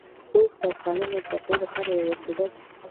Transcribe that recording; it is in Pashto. اوښ د افغانانو د تفریح لپاره یوه وسیله ده.